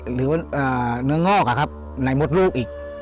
หรือว่าเนื้องอกอ่ะครับในมดรูปอีก